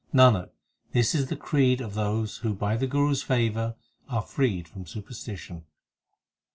Nanak, this is the creed of those who By the Guru s favour are freed from superstition.